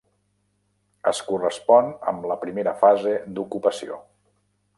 Es correspon amb la primera fase d'ocupació.